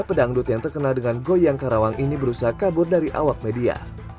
pedangdut yang terkenal dengan goyang karawang ini berusaha kabur dari awak media